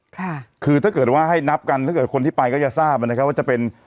ค่ะคือถ้าเกิดว่าให้นับกันถ้าเกิดคนที่ไปก็จะทราบนะครับว่าจะเป็น